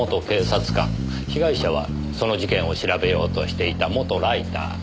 被害者はその事件を調べようとしていた元ライター。